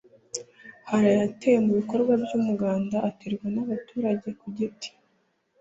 hari ayatewe mu bikorwa by umuganda aterwa n abaturage ku giti